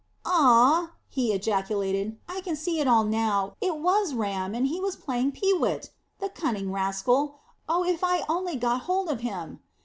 Ah!" he ejaculated. "I can see it all now. It was Ram, and he was playing peewit. The cunning rascal! Oh, if I only get hold of him!